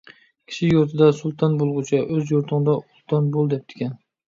«كىشى يۇرتىدا سۇلتان بولغۇچە، ئۆز يۇرتۇڭدا ئۇلتان بول» دەپتىكەن.